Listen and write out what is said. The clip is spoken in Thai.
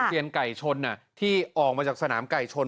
เซียนไก่ชนที่ออกมาจากสนามไก่ชน